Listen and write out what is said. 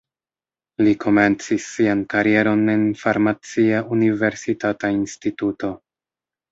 Li komencis sian karieron en farmacia universitata instituto.